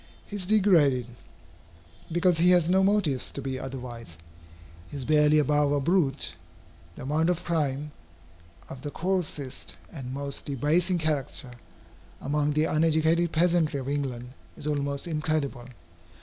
He is degraded, because he has no motives to be otherwise. He is barely above a brute. The amount of crime, of the coarsest and most debasing character, among the uneducated peasantry of England, is almost incredible.